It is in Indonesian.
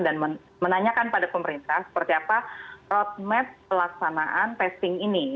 dan menanyakan pada pemerintah seperti apa roadmap pelaksanaan testing ini